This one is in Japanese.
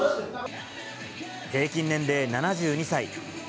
平均年齢７２歳。